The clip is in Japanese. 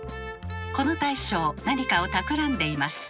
この大将何かをたくらんでいます。